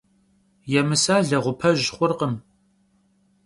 Yêmısa leğupej xhurkhım.